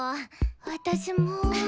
私も。